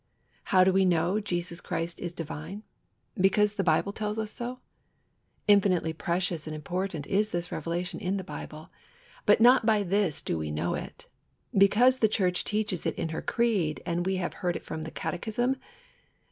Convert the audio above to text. How do we know Jesus Christ is divine? Because the Bible tells us so? Infinitely precious and important is this revelation in the Bible; but not by this do we know it. Because the Church teaches it in her creed, and we have heard it from the catechism?